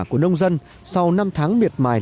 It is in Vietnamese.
của nông dân sau năm tháng miệt mài